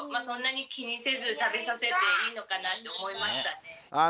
そんなに気にせず食べさせていいのかなって思いましたね。